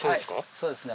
そうですね。